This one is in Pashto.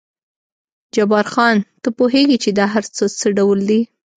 جبار خان، ته پوهېږې چې دا هر څه څه ډول دي؟